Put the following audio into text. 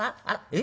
え？